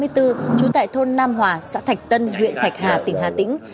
trú tại thôn nam hòa xã thạch tân huyện thạch hà tỉnh hà tĩnh